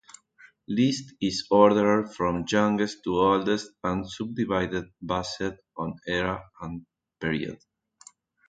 List is ordered from youngest to oldest and subdivided based on era and period.